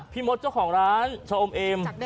พี่มดเจ้าของร้านชอมเอม